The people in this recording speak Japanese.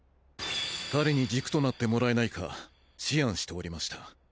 彼に軸となってもらえないか思案しておりました。